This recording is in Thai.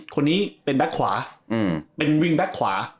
คนนี้เป็นแบ็คขวาเป็นวิ่งแบ็คขวา